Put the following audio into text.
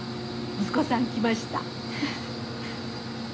息子さん来ました。